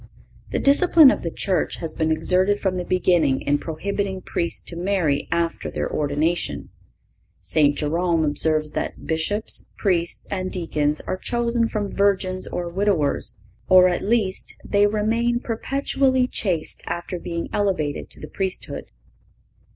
The discipline of the Church has been exerted from the beginning in prohibiting Priests to marry after their ordination. St. Jerome observes that "Bishops, Priests and Deacons are chosen from virgins or widowers, or, at least, they remain perpetually chaste after being elevated to the priesthood."